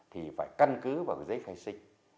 thì phải căn cứ vào giấy khai sinh